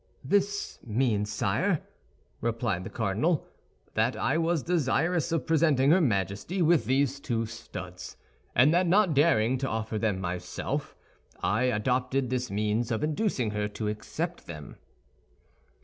"This means, sire," replied the cardinal, "that I was desirous of presenting her Majesty with these two studs, and that not daring to offer them myself, I adopted this means of inducing her to accept them."